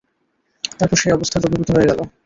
তারপর সে অবস্থা দূরীভূত হয়ে গেল।